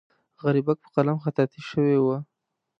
غریبک په قلم خطاطي شوې وه.